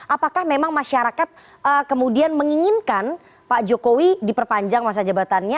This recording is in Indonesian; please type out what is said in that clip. apakah memang masyarakat kemudian menginginkan pak jokowi diperpanjang masa jabatannya